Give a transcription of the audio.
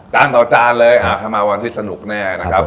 ต่อจานเลยถ้ามาวันที่สนุกแน่นะครับ